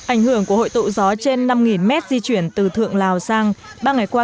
ảnh hưởng của hội tụ gió trên năm mét di chuyển từ thượng lào sang ba ngày qua